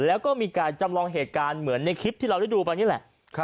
แล้วก็มีการจำลองเหตุการณ์เหมือนในคลิปที่เราได้ดูไปนี่แหละ